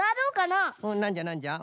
なんじゃなんじゃ？